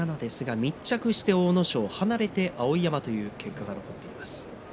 密着して阿武咲、離れて碧山という結果が出ています。